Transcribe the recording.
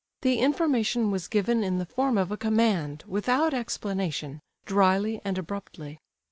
The information was given in the form of a command, without explanation, drily and abruptly.